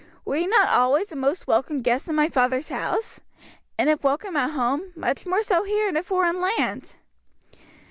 Were you not always a most welcome guest in my father's house? and if welcome at home, much more so here in a foreign land."